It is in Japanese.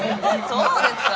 そうですか？